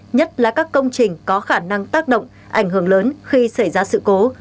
nhất là các công trình có khả năng tác động ảnh hưởng lớn khi xảy ra sự cố